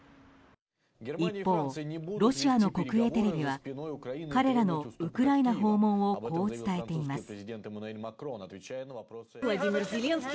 一方、ロシアの国営テレビは彼らのウクライナ訪問をこう伝えています。